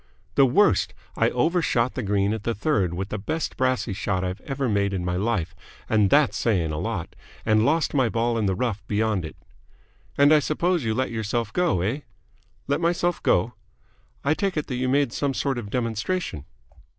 "The worst. I over shot the green at the third with the best brassey shot I've ever made in my life and that's saying a lot and lost my ball in the rough beyond it." "And I suppose you let yourself go, eh?" "Let myself go?" "I take it that you made some sort of demonstration?"